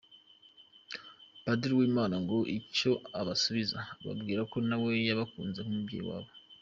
Padiri Uwimana ngo icyo abasubiza, ababwira ko nawe yabakunze nk’umubyeyi wabo.